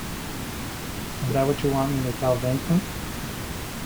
Is that what you want me to tell Vincent?